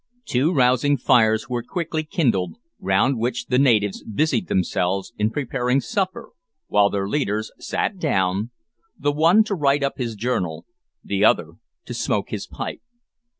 Two rousing fires were quickly kindled, round which the natives busied themselves in preparing supper, while their leaders sat down, the one to write up his journal, the other to smoke his pipe.